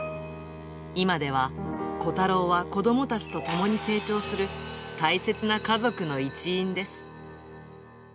今では、コタローは子どもたちと共に成長する大切な家族の一員です。